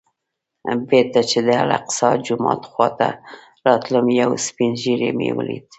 بېرته چې د الاقصی جومات خوا ته راتلم یو سپین ږیری مې ولید.